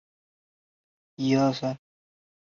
它们有时会成群的迁徙。